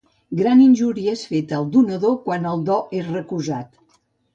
Gran injúria és feta al donador quan el do és recusat.